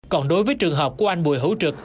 còn đối với trường hợp của anh bùi hữu trực